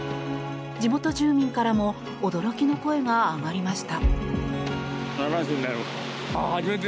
地元住民からも驚きの声が上がりました。